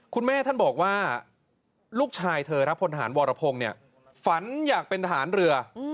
คุณแม่ท่านบอกว่าลูกชายเธอครับพลทหารวรพงศ์เนี่ยฝันอยากเป็นทหารเรือ